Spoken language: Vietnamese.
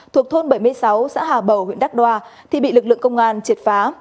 thuộc thôn bảy mươi sáu xã hà bầu huyện đắk đoa thì bị lực lượng công an triệt phá